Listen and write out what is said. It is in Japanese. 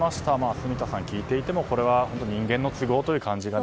住田さん、聞いていても人間の都合という感じがね。